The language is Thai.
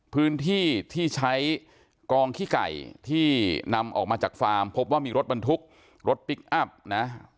พื้นที่ที่ใช้กองขี้ไก่ที่นำออกมาจากฟาร์มพบว่ามีรถบรรทุกรถพลิกอัพนะ